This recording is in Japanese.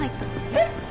えっ！？